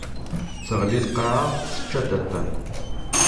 Teldi lqaɛa, tečča Datan.